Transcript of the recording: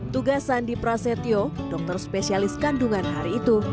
tugasan di prasetyo dokter spesialis kandungan hari itu